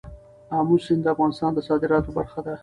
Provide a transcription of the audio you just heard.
آمو سیند د افغانستان د صادراتو برخه ده.